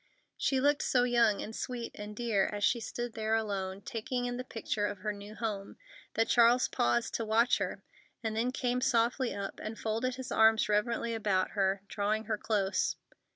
She looked so young and sweet and dear as she stood there alone, taking in the picture of her new home, that Charles paused to watch her, and then came softly up, and folded his arms reverently about her, drawing her close.